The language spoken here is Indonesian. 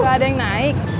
gak ada yang naik